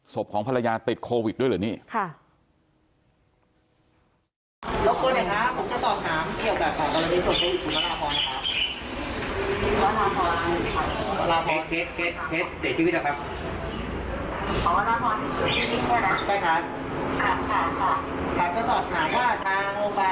ศพของภรรยาติดโควิดด้วยเหรอนี่